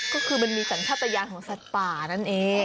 ก็คือมันมีสัญชาติยานของสัตว์ป่านั่นเอง